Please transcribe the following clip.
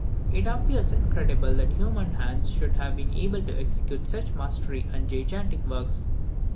It appears incredible that human hands should have been able to execute such masterly and gigantic works.